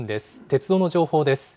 鉄道の情報です。